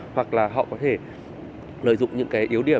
hoặc là họ có thể lợi dụng những cái yếu điểm